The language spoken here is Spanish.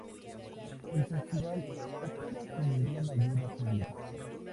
El Festival opera sin ninguna ayuda pública.